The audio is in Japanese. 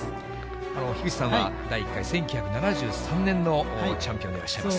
樋口さんは第１回、１９７３年のチャンピオンでいらっしゃいます。